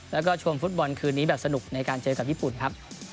แล้วก็ชมฟุตบอลคืนนี้แบบสนุกในการเจอกับญี่ปุ่นครับ